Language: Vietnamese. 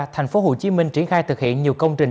tp hcm triển khai thực hiện nhiều công trình